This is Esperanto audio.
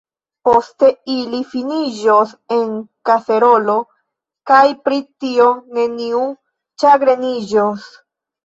Poste ili finiĝos en kaserolo, kaj pri tio neniu ĉagreniĝos.